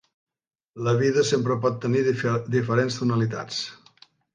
La vida sempre pot tenir diferents tonalitats.